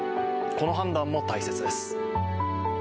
この判断も大切です。